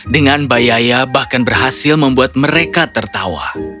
dengan bayaya bahkan berhasil membuat mereka tertawa